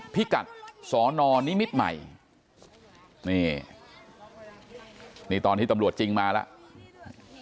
พิกัดสนนิมิตรใหม่นี่นี่ตอนที่ตำรวจจริงมาแล้ว